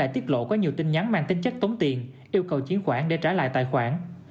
lại tiết lộ có nhiều tin nhắn mang tính chất tốn tiền yêu cầu chiến khoản để trả lại tài khoản